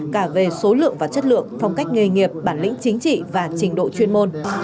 cả về số lượng và chất lượng phong cách nghề nghiệp bản lĩnh chính trị và trình độ chuyên môn